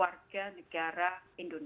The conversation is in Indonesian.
ya pertama adalah mengenai masalah kelebihan